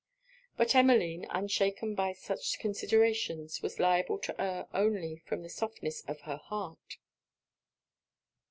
But Emmeline, unshaken by such considerations, was liable to err only from the softness of her heart.